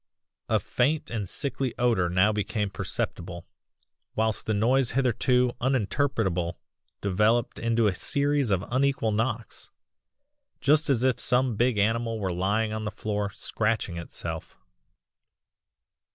"A faint and sickly odour now became perceptible whilst the noise hitherto uninterpretable developed into a series of unequal knocks just as if some big animal were lying on the floor 'scratching' itself.